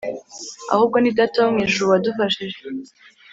ahubwo ni Data wo mu ijuru wadufashije